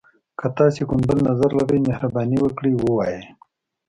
که تاسي کوم بل نظر لری، مهرباني وکړئ ووایئ.